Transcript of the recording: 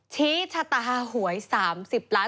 ชี้ชะตาหวย๓๐ล้าน